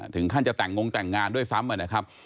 ถึงขั้นจะแต่งงแต่งงานด้วยซ้ำนะครับ